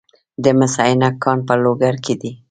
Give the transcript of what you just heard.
د مس عینک کان په لوګر کې دی